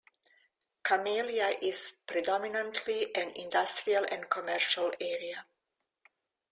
Camellia is predominantly an industrial and commercial area.